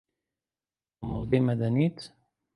کۆمەڵگەی مەدەنیت